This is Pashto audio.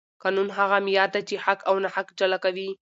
قانون هغه معیار دی چې حق او ناحق جلا کوي